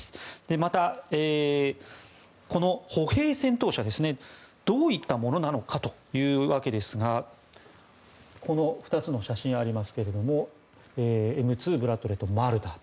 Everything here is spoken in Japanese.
また、この歩兵戦闘車どういったものなのかというとこの２つの写真がありますがＭ２ブラッドレーとマルダーと。